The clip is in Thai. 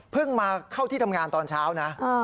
มาเข้าที่ทำงานตอนเช้านะ